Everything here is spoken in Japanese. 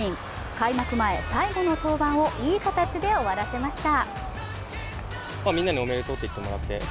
開幕前最後の登板をいい形で終わらせました。